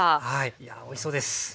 いやおいしそうです。